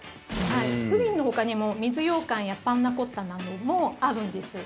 プリンのほかにも水ようかんやパンナコッタなどもあるんです。